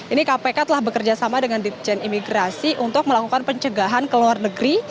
ini kpk telah bekerjasama dengan ditjen imigrasi untuk melakukan pencegahan ke luar negeri